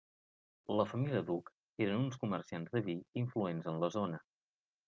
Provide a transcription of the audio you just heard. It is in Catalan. La família Duc eren uns comerciants de vi, influents en la zona.